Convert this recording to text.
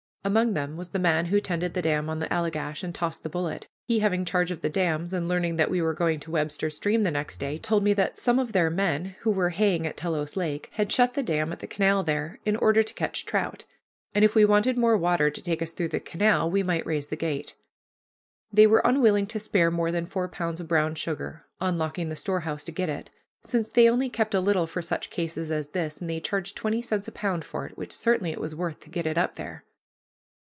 Among them was the man who tended the dam on the Allegash and tossed the bullet. He, having charge of the dams, and learning that we were going to Webster Stream the next day, told me that some of their men, who were haying at Telos Lake, had shut the dam at the canal there in order to catch trout, and if we wanted more water to take us through the canal we might raise the gate. They were unwilling to spare more than four pounds of brown sugar, unlocking the storehouse to get it, since they only kept a little for such cases as this, and they charged twenty cents a pound for it, which certainly it was worth to get it up there.